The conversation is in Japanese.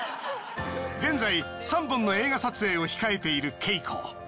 現在３本の映画撮影を控えているＫＥＩＫＯ。